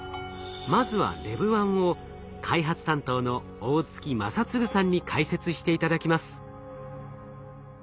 まずはＬＥＶ−１を開発担当の大槻真嗣さんに解説して頂きます。